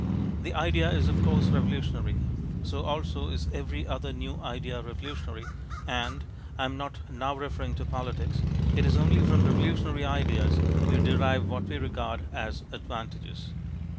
The idea is of course revolutionary, so also is every other new idea revolutionary, and (I am not now referring to politics) it is only from revolutionary ideas we derive what we regard as advantages.